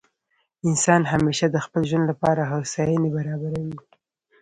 انسان همېشه د خپل ژوند له پاره هوسایني برابروي.